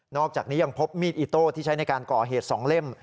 อกจากนี้ยังพบมีดอิโต้ที่ใช้ในการก่อเหตุ๒เล่ม